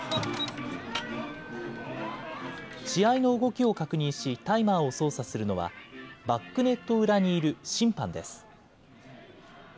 試合の動きを確認し、タイマーを操作するのは、バックネット裏にいる審判です。